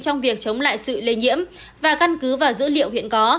trong việc chống lại sự lây nhiễm và căn cứ vào dữ liệu hiện có